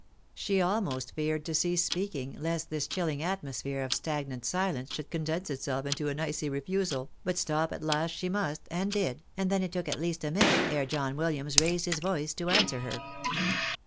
She almost feared to cease speaking, lest this chilling atmosphere of stagnant silence should condense itself into an icy refusal, but stop at last she must, and did, and then it took at least a minute ere John Williams raised his voice to answer her.